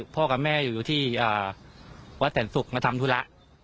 กับแม่อยู่ที่วัดแสนศุกร์มาทำธุระ